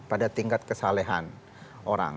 pada tingkat kesalahan orang